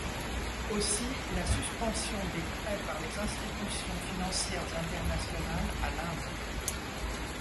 Aussi, la suspension des prêts par les institutions financières internationales à l'Inde.